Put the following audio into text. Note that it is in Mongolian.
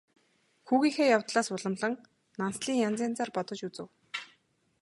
Хүүгийнхээ явдлаас уламлан Нансалыг янз янзаар бодож үзэв.